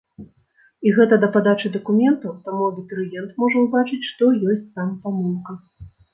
І гэта да падачы дакументаў, таму абітурыент можа ўбачыць, што ёсць там памылка.